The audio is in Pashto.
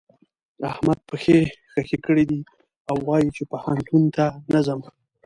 احمد پښې خښې کړې دي او وايي چې پوهنتون ته نه ځم.